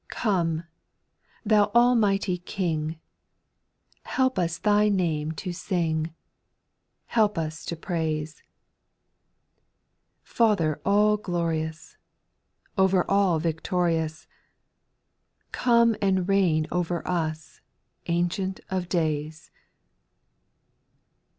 pOME, Thou Almighty King, \J Help us Thy name to sing, Help us to praise I Father all glorious, O'er all victorious, Come and reign over us. Ancient of days.